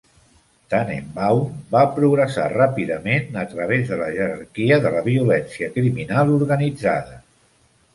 Tannenbaum va progressar ràpidament a través de la jerarquia de la violència criminal organitzada.